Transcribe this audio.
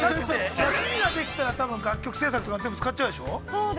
◆休みができたら、楽曲制作とか、使っちゃうでしょう。